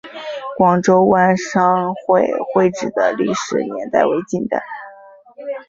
广州湾商会会址的历史年代为近代。